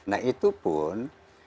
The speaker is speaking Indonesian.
nah itu pun